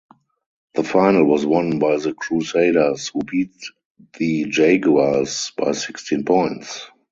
The final was won by the Crusaders who beat the Jaguares by sixteen points.